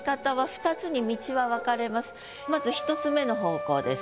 まず１つ目の方向です。